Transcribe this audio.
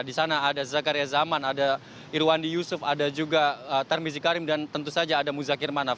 di sana ada zakaria zaman ada irwandi yusuf ada juga termizi karim dan tentu saja ada muzakir manaf